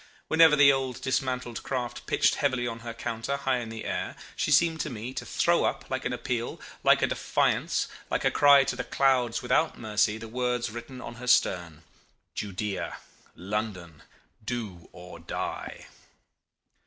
Whenever the old dismantled craft pitched heavily with her counter high in the air, she seemed to me to throw up, like an appeal, like a defiance, like a cry to the clouds without mercy, the words written on her stern: 'Judea, London. Do or Die.